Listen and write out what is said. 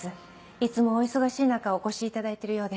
いつもお忙しい中お越しいただいてるようで。